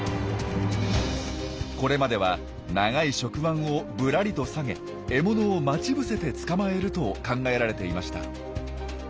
これまでは長い触腕をぶらりと下げ獲物を待ち伏せて捕まえると考えられていました。